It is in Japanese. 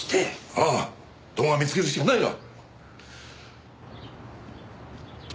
ああ動画を見つけるしかないな。